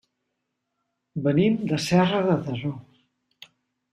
Venim de Serra de Daró.